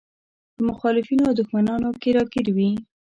په مخالفينو او دښمنانو کې راګير وي.